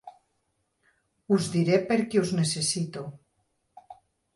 Us diré perquè us necessito.